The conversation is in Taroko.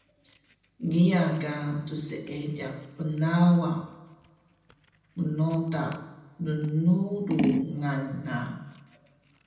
Kiya ka dseediq pnlawa mnoda lnglungan na